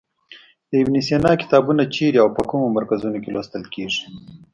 د ابن سینا کتابونه چیرې او په کومو مرکزونو کې لوستل کیږي.